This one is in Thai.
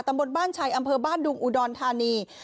ตำบลบ้านชัยอำเภอบ้านดุงอุดรธานี